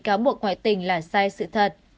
cáo buộc ngoại tình là sai sự thật